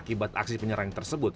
akibat aksi penyerang tersebut